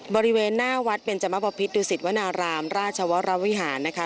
บริเวณหน้าวัดเบนจมบพิษดุสิตวนารามราชวรวิหารนะคะ